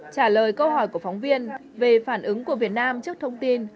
trả lời câu hỏi của phóng viên về phản ứng của việt nam trước thông tin